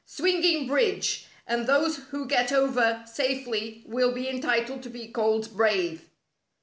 Swinging Bridge, and those who get over safely will be entitled to be called brave."